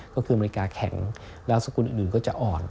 ก็คืออเมริกาแข็งแล้วสกุลอื่นก็จะอ่อน